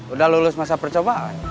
udah lulus masa percobaan